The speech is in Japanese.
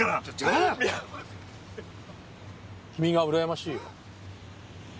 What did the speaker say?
君がうらやましいよ。